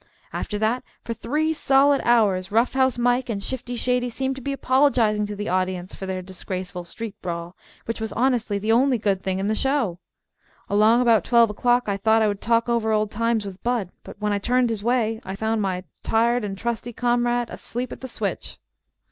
After that for three solid hours Rough House Mike and Shifty Sadie seemed to be apologizing to the audience for their disgraceful street brawl, which was honestly the only good thing in the show. Along about twelve o'clock I thought I would talk over old times with Bud, but when I turned his way I found my tired and trusty comrade "Asleep at the Switch."